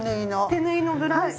手縫いのブラウス。